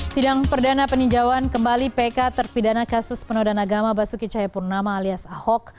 sidang perdana peninjauan kembali pk terpidana kasus penodan agama basuki cahayapurnama alias ahok